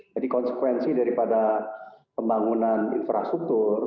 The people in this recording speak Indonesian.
jadi konsekuensi daripada pembangunan infrastruktur